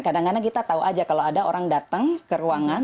kadang kadang kita tahu aja kalau ada orang datang ke ruangan